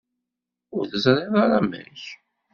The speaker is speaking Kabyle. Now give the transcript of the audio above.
Ur teẓriḍ ara amek?